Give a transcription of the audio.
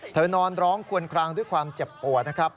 นอนร้องควนคลางด้วยความเจ็บปวดนะครับ